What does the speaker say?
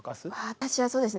私はそうですね